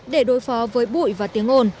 để đối phó với bụi và tiếng ồn